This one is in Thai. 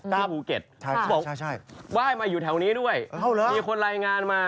ที่บูเก็ตบอกว่าให้มาอยู่แถวนี้ด้วยมีคนไลยงานมา